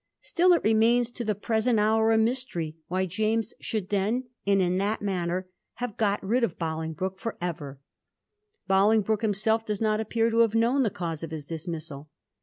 Still it remainB to the present hour a mystery why James should then, and in that manner, have got rid of Bolingbroke for even Bolingbroke himself does not appear to have known the cause of his dismissal.